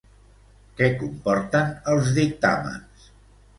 Què comporten els dictàmens?